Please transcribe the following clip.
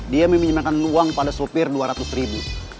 dia meminjamkan uang pada sopir rp dua ratus